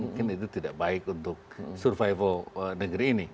mungkin itu tidak baik untuk survival negeri ini